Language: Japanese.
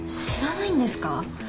知らないんですか？